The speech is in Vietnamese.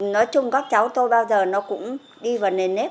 nói chung các cháu tôi bao giờ nó cũng đi vô